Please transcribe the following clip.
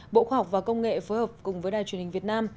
bộ khoa học và công nghệ phối hợp cùng với đài truyền hình việt nam